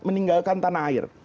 meninggalkan tanah air